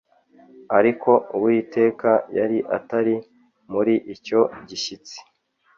ariko Uwiteka yari atari muri icyo gishyitsi